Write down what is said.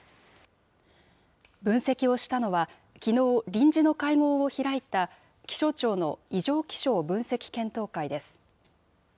分析をしたのは、きのう、臨時の会合を開いた、気象庁の異常気象分析検討会です。